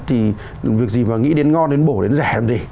thì việc gì mà nghĩ đến ngon đến bổ đến rẻ làm gì